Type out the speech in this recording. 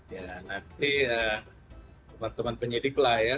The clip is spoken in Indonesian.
ya nanti teman teman penyidik lah ya